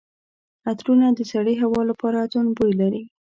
عطرونه د سړې هوا لپاره توند بوی لري.